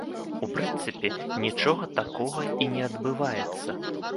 У прынцыпе, нічога такога і не адбываецца.